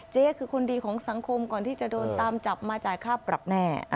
เจ๊คือคนดีของสังคมก่อนที่จะโดนตามจับมาจ่ายค่าปรับแน่